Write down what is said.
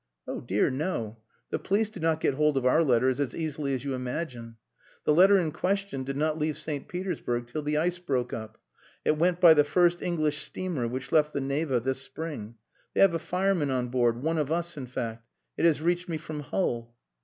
"Oh dear no! The police do not get hold of our letters as easily as you imagine. The letter in question did not leave St. Petersburg till the ice broke up. It went by the first English steamer which left the Neva this spring. They have a fireman on board one of us, in fact. It has reached me from Hull...."